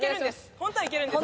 本当はいけるんです！